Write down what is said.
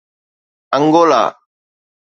Angola